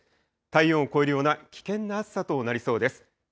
体温を超えるような危険な暑さとなりそうです。